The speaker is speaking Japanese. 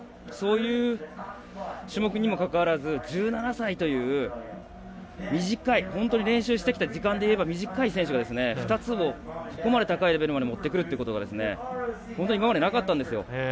そういう種目にもかかわらず１７歳という本当に練習してきた時間でいえば短い選手が２つをここまで高いレベルまで持ってくるということが本当に今までなかったんですよ。